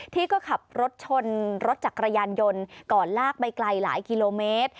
ที่ก็ขับรถชนรถจักรยานยนต์ก่อนลากไปไกลหลายกิโลเมตร